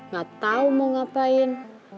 gatau mau ngapain